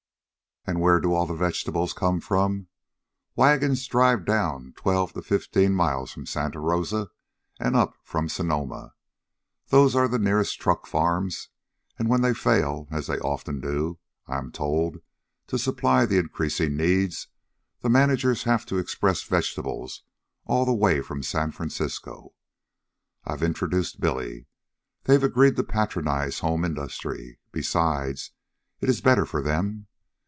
"And where do all the vegetables come from? Wagons drive down twelve to fifteen miles from Santa Rosa, and up from Sonoma. Those are the nearest truck farms, and when they fail, as they often do, I am told, to supply the increasing needs, the managers have to express vegetables all the way from San Francisco. I've introduced Billy. They've agreed to patronize home industry. Besides, it is better for them.